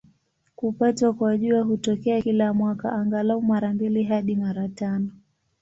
Kupatwa kwa Jua hutokea kila mwaka, angalau mara mbili hadi mara tano.